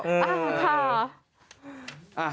ขอบคุณค่ะ